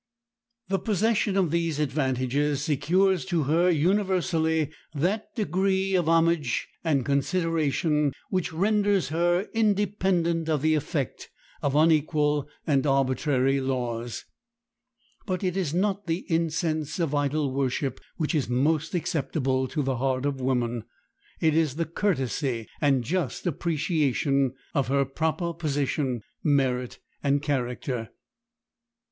The possession of these advantages secures to her universally that degree of homage and consideration which renders her independent of the effect of unequal and arbitrary laws. But it is not the incense of idol worship which is most acceptable to the heart of woman; it is the courtesy, and just appreciation of her proper position, merit, and character.